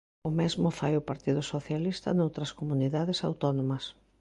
O mesmo fai o Partido Socialista noutras comunidades autónomas.